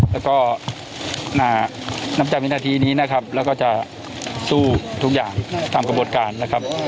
แล้วก็นับจากวินาทีนี้นะครับแล้วก็จะสู้ทุกอย่างตามกระบวนการนะครับ